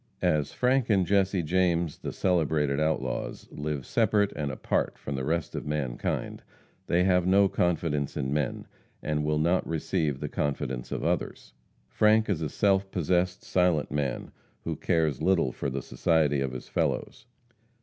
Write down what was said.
As Frank and Jesse James, the celebrated outlaws, live separate and apart from the rest of mankind, they have no confidence in men, and will not receive the confidence of others. Frank is a self possessed, silent man, who cares little for the society of his fellows.